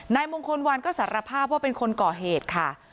นายมงคลวันก็สารภาพว่าเป็นคนก่อเหตุค่ะ